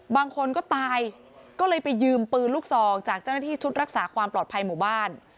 บางคนก็ตายก็เลยไปยืมปืนลูกซองจากเจ้าหน้าที่ชุดรักษาความปลอดภัยหมู่บ้าน